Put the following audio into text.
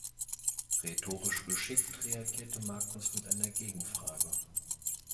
Rhetorisch geschickt reagierte Magnus mit einer Gegenfrage.